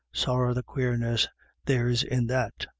Sorra the quareness there's in that.